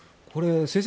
先生